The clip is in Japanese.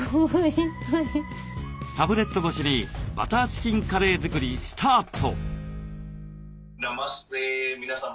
タブレット越しにバターチキンカレー作りスタート！